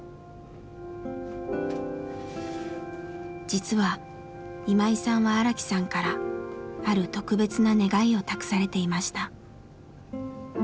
実は今井さんは荒木さんからある特別な願いを託されていました。